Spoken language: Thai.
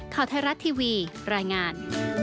ข่าวไทยรัฐทีวีรายงาน